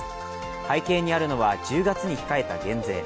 背景にあるのは１０月に控えた減税。